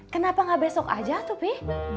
kenapa gak besok aja tuh pih